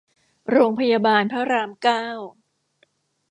โรงพยาบาลพระรามเก้า